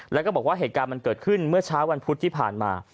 แล้วก็บอกว่าเหตุการณ์มันเกิดขึ้นเมื่อเช้าวันพุธที่ผ่านมา